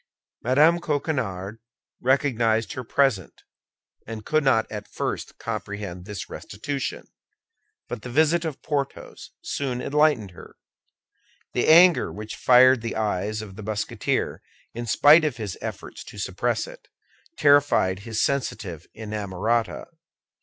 Mme. Coquenard recognized her present, and could not at first comprehend this restitution; but the visit of Porthos soon enlightened her. The anger which fired the eyes of the Musketeer, in spite of his efforts to suppress it, terrified his sensitive inamorata.